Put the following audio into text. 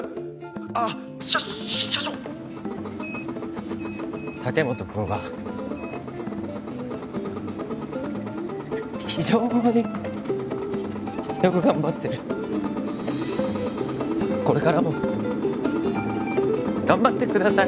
あっ☎しゃ社長竹本君は非常によく頑張ってるこれからも頑張ってください